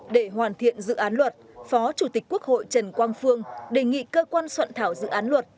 để hoàn thiện dự án luật phó chủ tịch quốc hội trần quang phương đề nghị cơ quan soạn thảo dự án luật